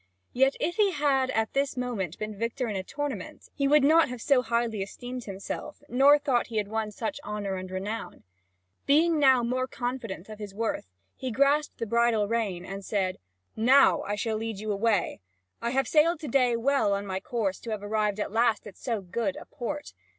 Yet, if he had at this moment been victor in a tournament, he would not have so highly esteemed himself, nor thought he had won such honour and renown. Being now more confident of his worth, he grasped the bridle rein, and said: "Now I shall lead you away: I have to day sailed well on my course to have arrived at last at so good a port.